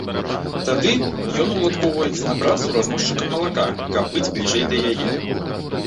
Тады ён уладкоўваецца на працу разносчыкам малака, каб быць бліжэй да яе.